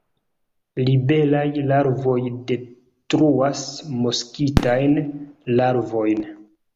Libelaj larvoj detruas moskitajn larvojn.